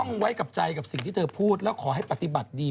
ไว้กับใจกับสิ่งที่เธอพูดแล้วขอให้ปฏิบัติดี